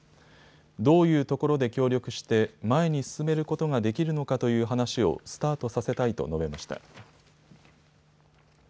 どういうところで協力して前に進めることができるのかという話をスタートさせたいと述べました。